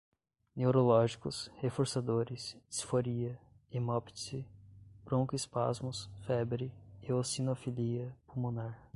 neurológicos, reforçadores, disforia, hemoptise, broncoespasmos, febre, eosinofilia pulmonar